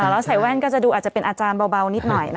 แล้วใส่แว่นก็จะดูอาจจะเป็นอาจารย์เบานิดหน่อย